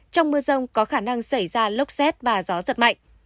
trong mưa rông có khả năng xảy ra lốc xét và gió giật mạnh